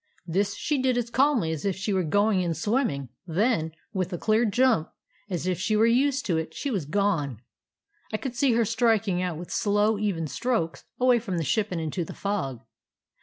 "This she did as calmly as if she were going in swimming; then, with a clear jump, as if she were used to it, she was gone. I could see her striking out with slow, even strokes away from the ship and into the fog.